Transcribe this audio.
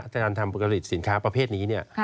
การทำปกติสินค้าประเภทนี้เนี่ย